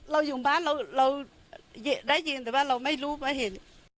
เราอยู่บ้านเราได้ยินแต่ว่าเราไม่รู้ไม่เห็น